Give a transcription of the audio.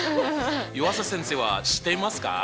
湯浅先生は知っていますか？